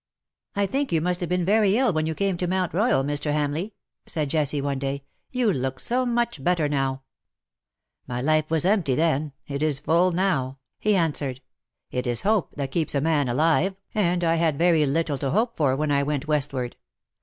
" I think you must have been very ill when you came to Mount Royal, Mr. Hamleigh,^' said Jessie, one day. " You look so much better now.^^ *^ My life was empty then — it is full now," he answered. " It is hope that keeps a man alive, VOL. I. L 146" IN SOCIETY. and I had very little to hope for when I went westward.